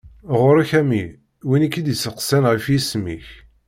Ɣur-k a mmi! Win i k-id-iseqsan ɣef yisem-ik.